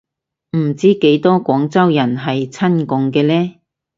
唔知幾多廣州人係親共嘅呢